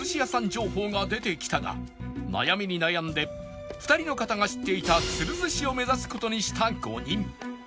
情報が出てきたが悩みに悩んで２人の方が知っていたツルズシを目指す事にした５人